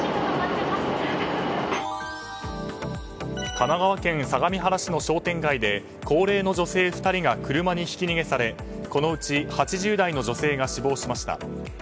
神奈川県相模原市の商店街で高齢の女性２人が車にひき逃げされこのうち８０代の女性が死亡しました。